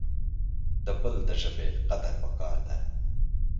د بل دژبي قدر پکار د